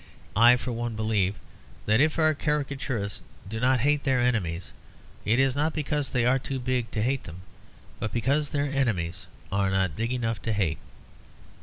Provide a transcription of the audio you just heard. I, for one, believe that if our caricaturists do not hate their enemies, it is not because they are too big to hate them, but because their enemies are not big enough to hate.